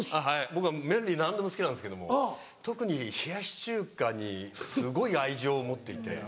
僕は麺類何でも好きなんですけども特に冷やし中華にすごい愛情を持っていて。